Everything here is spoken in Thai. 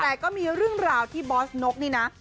แต่ก็มีเรื่องราวที่บอสนกนี่นะ